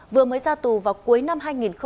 vừa mới ra tù vào cuối năm hai nghìn hai mươi